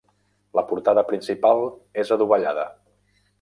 La portada principal és adovellada.